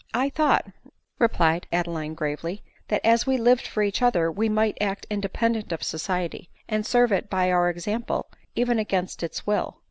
" I thought," replied Adeline gravely, " that as we lived for each other, we might act independent of society, and serve it by our example even against its will."